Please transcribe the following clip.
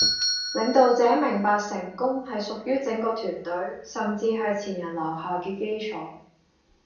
領導者明白成功係屬於整個團隊、甚至係前人留下嘅基礎。